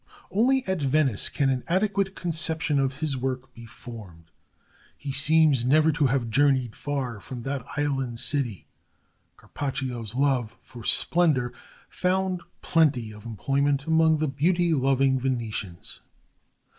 Only at Venice can an adequate conception of his work be formed. He seems never to have journeyed far from that island city. Carpaccio's love for splendor found plenty of employment among the beauty loving Venetians.